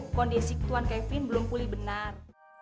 kondisi tuan kevin belum pulih benar